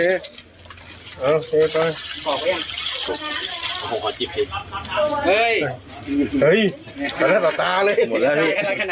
เอ้าเทไปขอจิบให้เฮ้ยเฮ้ยเหลือตาตาเลย